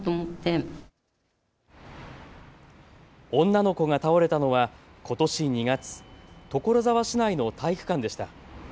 女の子が倒れたのはことし２月、所沢市内の体育館でした。